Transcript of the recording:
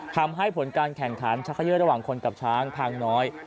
ผลการแข่งขันชักขย่อระหว่างคนกับช้างพังน้อย